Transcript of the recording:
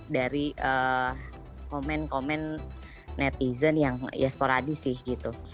dari komen komen netizen yang ya sporadis sih gitu